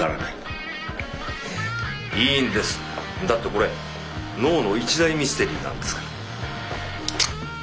だってこれ脳の一大ミステリーなんですから。